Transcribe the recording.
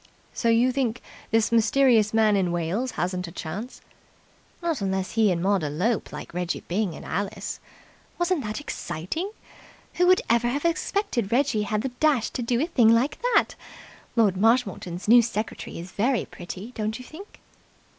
"So you think this mysterious man in Wales hasn't a chance?" "Not unless he and Maud elope like Reggie Byng and Alice. Wasn't that exciting? Who would ever have suspected Reggie had the dash to do a thing like that? Lord Marshmoreton's new secretary is very pretty, don't you think?"